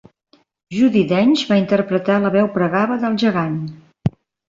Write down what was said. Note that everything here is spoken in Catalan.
Judi Dench va interpretar la veu pregava del Gegant.